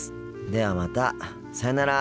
ではまたさようなら。